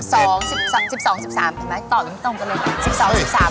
ตอบยังไม่ตรงกันเลยนะ